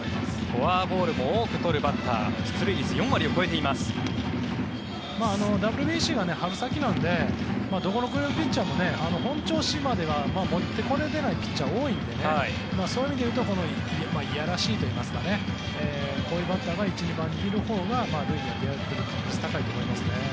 フォアボールも多く取るバッターＷＢＣは春先なのでどこの国のピッチャーも本調子までは持ってこれてないピッチャーが多いのでそういう意味でいうといやらしいといいますかこういうバッターが１、２番にいるほうが塁に出る確率は高いと思いますね。